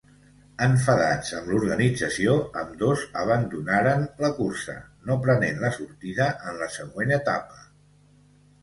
Enfadats amb l'organització ambdós abandonaren la cursa, no prenent la sortida en la següent etapa.